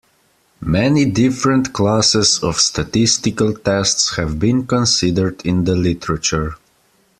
Many different classes of statistical tests have been considered in the literature.